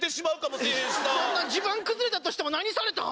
そんな地盤崩れたとしても何されたん？